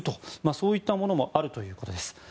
そういったものもあるということです。